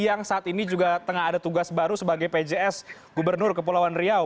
yang saat ini juga tengah ada tugas baru sebagai pjs gubernur kepulauan riau